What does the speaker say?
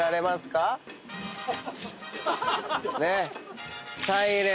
ねっ。